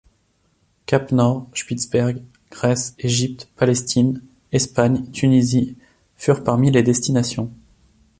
Cap Nord, Spitzberg, Grèce, Égypte, Palestine, Espagne, Tunisie furent parmi les destinations.